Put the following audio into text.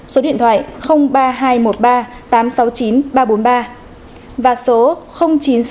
số điện thoại ba nghìn hai trăm một mươi ba tám trăm sáu mươi chín ba trăm bốn mươi ba và số chín trăm sáu mươi ba hai trăm bốn mươi một sáu trăm một mươi sáu